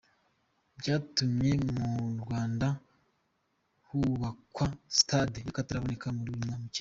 Byatumye mu Rwanda hubakwa Stade y’akataraboneka muri uyu mukino.